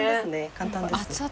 簡単です。